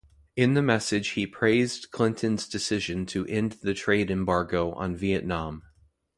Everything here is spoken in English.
In the message he praised Clinton's decision to end the trade embargo on Vietnam.